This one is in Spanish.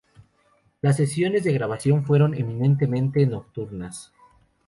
Las sesiones de grabación fueron eminentemente nocturnas.